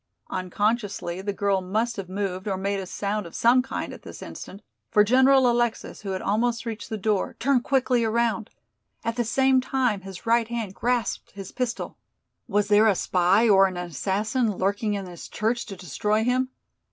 Unconsciously the girl must have moved or made a sound of some kind at this instant, for General Alexis, who had almost reached the door, turned quickly around. At the same time his right hand grasped his pistol. Was there a spy or an assassin lurking in his church to destroy him?